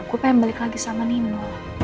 aku pengen balik lagi sama nino